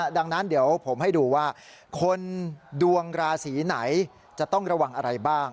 ดังนั้นเดี๋ยวผมให้ดูว่าคนดวงราศีไหนจะต้องระวังอะไรบ้าง